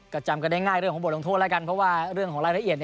ก็จำกันได้ง่ายเรื่องของบทลงโทษแล้วกันเพราะว่าเรื่องของรายละเอียด